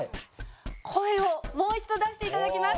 声をもう一度出していただきます。